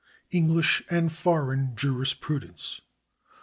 English and Foreign Jurisprudence.